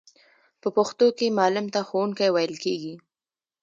په پښتو کې معلم ته ښوونکی ویل کیږی.